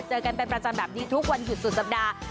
เจอกันเป็นประจำแบบนี้ทุกวันหยุดสุดสัปดาห์